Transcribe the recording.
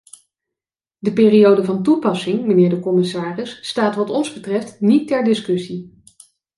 De periode van toepassing, mijnheer de commissaris, staat wat ons betreft niet ter discussie.